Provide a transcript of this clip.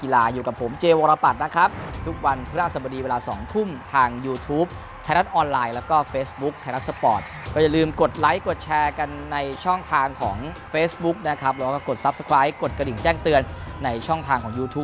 แล้วท่านพร้อมไปกับเราหรือเปล่า